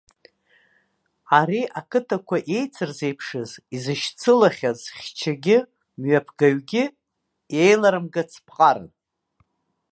Ари ақыҭақәа еицырзеиԥшыз, изышьцылахьаз, хьчагьы мҩаԥгаҩгьы еиларымгац ԥҟаран.